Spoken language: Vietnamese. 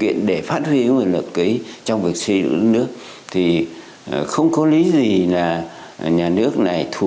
kiện để phát huy nguồn lực trong việc xây dựng đất nước thì không có lý gì là nhà nước này thu